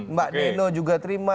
mbak nino juga terima